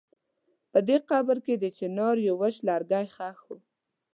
په دې قبر کې د چنار يو وچ لرګی ښخ و.